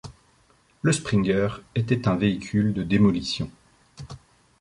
Le Springer était un véhicule de démolition.